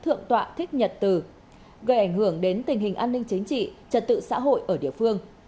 thượng tọa thích nhật từ gây ảnh hưởng đến tình hình an ninh chính trị trật tự xã hội ở địa phương